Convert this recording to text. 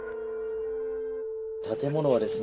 建物はですね